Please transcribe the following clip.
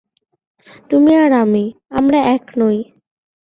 তুমি আর আমি, আমরা এক নই।